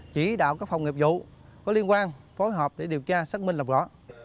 chỉ đạo các phòng nghiệp vụ có liên quan phối hợp để điều tra xác minh lập gõ